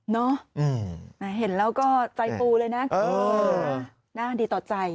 เห็นแล้วก็ใจฟูเลยนะน่าดีต่อใจ